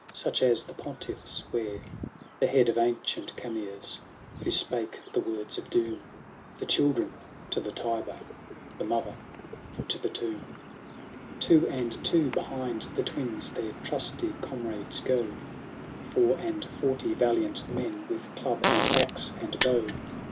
Such as the pontiffs wear — The head of ancient Gamers, Who spake the words of doom :" The children to the Tiber ; The mother to the tomb." IX. Two and two behind the twins Their trusty comrades go. Four and forty valiant men. With club, and axe, and bow.